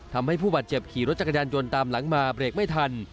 ทำให้ผู้บาดเจ็บขี่รถจักรยานยนต์ตามหลังมาเบรกไม่ทัน